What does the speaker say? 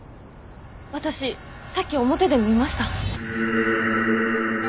私さっき表で見ました。